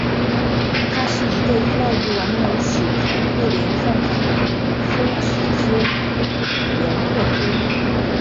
它是一个依赖于完美洗牌互联算法的非直连拓扑。